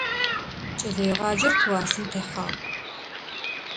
Кӏэлэегъаджэр классым къихьагъ.